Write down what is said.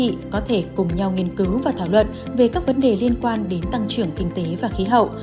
các doanh nghiệp có thể cùng nhau nghiên cứu và thảo luận về các vấn đề liên quan đến tăng trưởng kinh tế và khí hậu